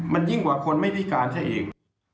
มันยิ่งกว่าคนไม่พิการใช่ไหม